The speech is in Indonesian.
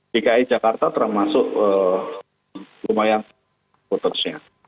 jki jakarta terang masuk lumayan putusnya